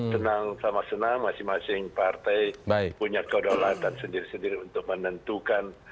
senang sama senang masing masing partai punya kewadalan dan sendiri sendiri untuk menentukan